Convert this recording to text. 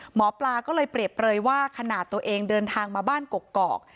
หมอปลาก็เลยเปรียบเปลยว่าขนาดตัวเองเดินทางมาบ้านกกอก